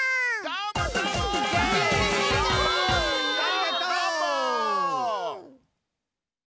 ありがとう！